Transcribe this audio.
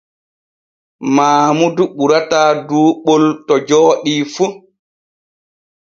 Maamudu ɓurata duuɓol to jooɗi fu.